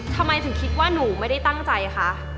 ทำไมถึงคิดว่าหนูไม่ได้ตั้งใจคะ